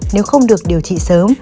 nếu không được điều trị sớm